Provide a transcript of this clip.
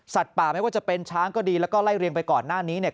ป่าไม่ว่าจะเป็นช้างก็ดีแล้วก็ไล่เรียงไปก่อนหน้านี้เนี่ย